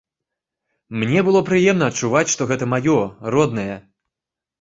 Мне было прыемна адчуваць, што гэта маё, роднае.